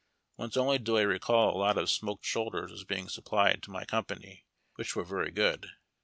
Once only do I recall a lot of smoked shoulders as being supplied to my company, which were very good.